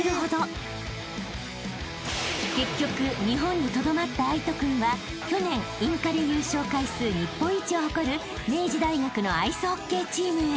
［結局日本にとどまった藍仁君は去年インカレ優勝回数日本一を誇る明治大学のアイスホッケーチームへ］